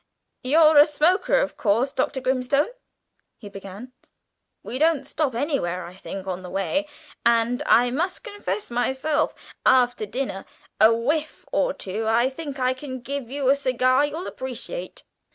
"You're a smoker, of course, Dr. Grimstone?" he began. "We don't stop anywhere, I think, on the way, and I must confess myself, after dinner, a whiff or two I think I can give you a cigar you'll appreciate."